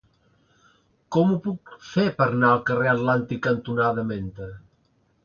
Com ho puc fer per anar al carrer Atlàntic cantonada Menta?